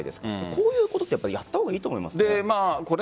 こういうことはやったほうがいいと思います。